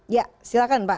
ya silakan pak